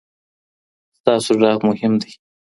ستاسو غږ مهم دی.